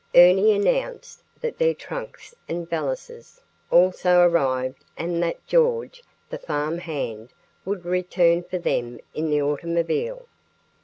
Ernie announced that their trunks and valises also had arrived and that George, the farm hand, would return for them in the automobile.